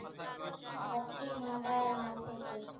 وٽڪي مان ڏار ناکي سي